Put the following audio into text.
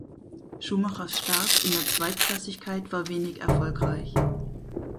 Schumachers Start in der Zweitklassigkeit war wenig erfolgreich.